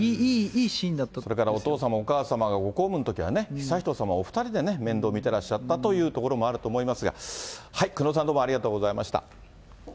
それからお父様、お母様がご公務のときは悠仁さまをお２人でめんどう見てらっしゃったというところもあると思いますが、久能さん、どうもありがとうございました。